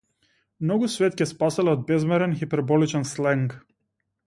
Многу свет ќе спаселе од безмерен хиперболичен сленг.